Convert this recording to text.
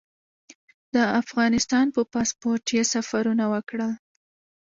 د افغانستان په پاسپورټ یې سفرونه وکړل.